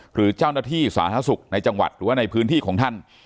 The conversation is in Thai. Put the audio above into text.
หรือเจ้าหน้าที่สาธารณสุขในจังหวัดหรือว่าในพื้นที่ของท่าน